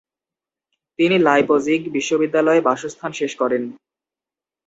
তিনি লাইপজিগ বিশ্ববিদ্যালয়ে বাসস্থান শেষ করেন।